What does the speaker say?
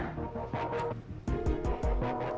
harus mudah ha